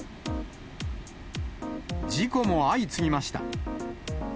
事故も相次ぎました。